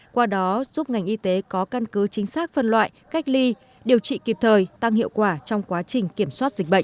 qua đó giúp ngành y tế có căn cứ chính xác phân loại cách ly điều trị kịp thời tăng hiệu quả trong quá trình kiểm soát dịch bệnh